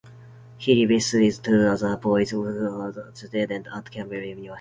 He lives with two other boys who are students at Cambridge University.